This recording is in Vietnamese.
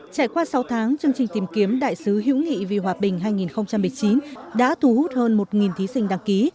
trải qua sáu tháng chương trình tìm kiếm đại sứ hữu nghị vì hòa bình hai nghìn một mươi chín đã thu hút hơn một thí sinh đăng ký